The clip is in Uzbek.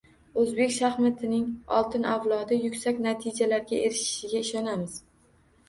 O‘zbek shaxmatining oltin avlodi, yuksak natijalarga erishishiga ishonamiz!